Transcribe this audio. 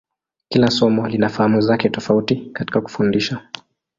Kila somo lina fahamu zake tofauti katika kufundisha.